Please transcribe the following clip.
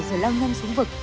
rồi lao ngân xuống vực